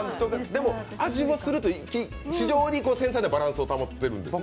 でも味もするっていう、非常に繊細なバランスを保っているんですね。